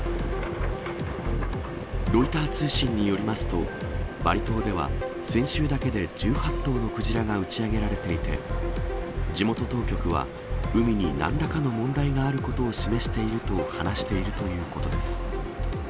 ロイター通信によりますと、バリ島では先週だけで１８頭のクジラが打ち上げられていて、地元当局は、海になんらかの問題があることを示していると話しているということです。